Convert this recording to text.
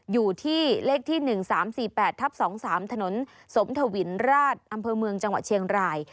อยู่ที่เลขที่๑๓๔๘ทับ๒๓ถนนสมทวินราชอำเภอเมืองจังหวัดเชียงราย